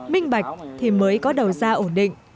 minh bạch thì mới có đầu ra ổn định